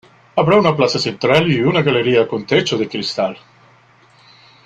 Habrá una plaza central y una galería con techo de cristal.